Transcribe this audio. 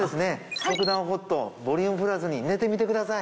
速暖Ｈｏｔボリュームプラスに寝てみてください。